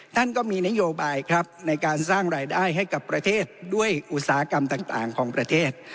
ท่านก็มีนโยบายครับในการสร้างรายได้ให้กับประเทศด้วยอุตสาหกรรมต่างของประเทศ